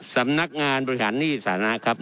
สำนักงานบริหารหนี้สานะครับ